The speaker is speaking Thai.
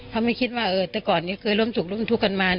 เขาไม่คิดว่าแต่ก่อนนี้เคยร่วมสุขร่วมทุกข์กันมา